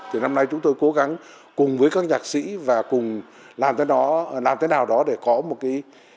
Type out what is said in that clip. thì năm nay chúng tôi cố gắng cùng với các nhạc sĩ và cùng làm thế nào đó để có một cái